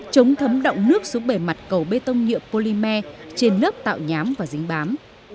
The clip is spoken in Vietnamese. chống thấm đọng nước xuống bề mặt cầu bê tông nhựa polymer trên lớp tạo nhám và dính bám